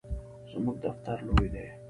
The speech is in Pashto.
زموږ دفتر لوی دی